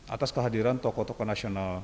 atas kehadiran tokoh tokoh nasional